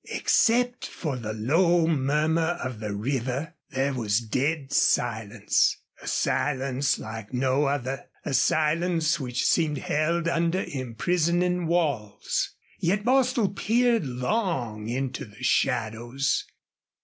Except for the low murmur of the river there was dead silence a silence like no other a silence which seemed held under imprisoning walls. Yet Bostil peered long into the shadows.